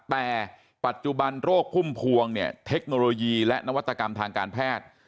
แต่ปัจจุบันโรคพุ่มพวงเนี่ยเทคโนโลยีและนวัตกรรมทางการแพทย์